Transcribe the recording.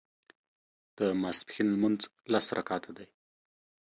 د ماسپښين لمونځ لس رکعته دی